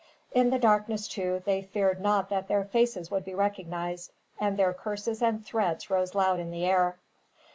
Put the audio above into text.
In the darkness, too, they feared not that their faces would be recognized, and their curses and threats rose loud in the air.